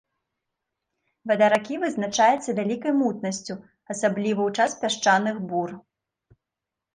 Вада ракі вызначаецца вялікай мутнасцю, асабліва ў час пясчаных бур.